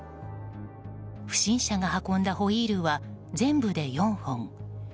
不審者が運んだホイールは全部で４本。